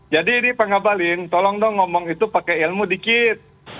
jadi ini pak ngabalin tolong dong ngomong itu pakai ilmu dikit